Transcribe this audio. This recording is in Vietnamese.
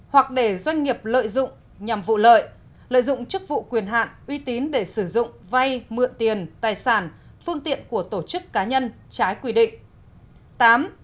ba hoặc để doanh nghiệp lợi dụng nhằm vụ lợi lợi dụng chức vụ quyền hạn uy tín để sử dụng vay mượn tiền tài sản phương tiện của tổ chức cá nhân trái quy định